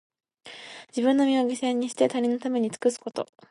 自分の身を犠牲にして、他人のために尽くすこと。